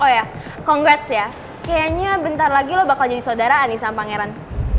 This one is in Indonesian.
oh ya congrats ya kayaknya lo bakal jadi saudaraan nih sama pangeran